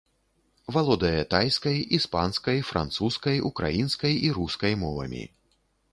Валодае тайскай, іспанскай, французскай, украінскай і рускай мовамі.